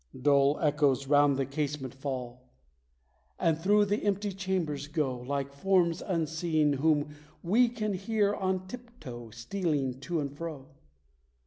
Dull echoes round the casement fall, and through the empty chambers go, Like forms unseen whom we can hear on tip toe stealing to and fro.